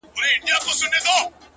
وېريږي نه خو انگازه يې بله”